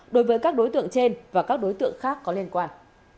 đối với các đối tượng trên và các đối tượng khác có liên quan